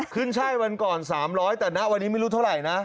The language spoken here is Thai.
ขึ้นใช่วันก่อน๓๐๐แต่นะวันนี้ไม่รู้เท่าไหร่นะ